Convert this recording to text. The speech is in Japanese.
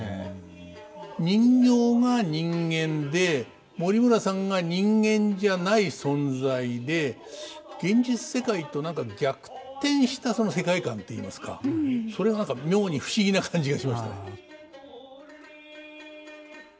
人形が人間で森村さんが人間じゃない存在で現実世界と何か逆転したその世界観といいますかそれが何か妙に不思議な感じがしましたね。